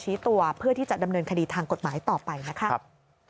ตัวเพื่อที่จะดำเนินคดีทางกฎหมายต่อไปนะครับ